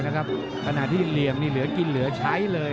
หลีอมนี่เหลือกินเหลือใช้เลย